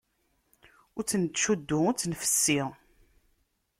Ur tt-nettcuddu, ur tt-nettfessi!